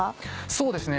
そうですね